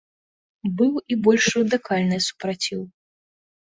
Быў і больш радыкальны супраціў.